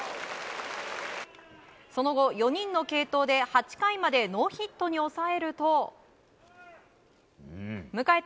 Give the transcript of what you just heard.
その後、４人の継投で８回までノーヒットに抑えると迎えた